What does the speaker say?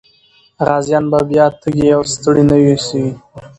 غازيان به بیا تږي او ستړي نه وي سوي.